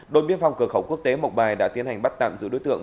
đội biên phòng cửa khẩu quốc tế mộc bài đã tiến hành bắt tạm giữ đối tượng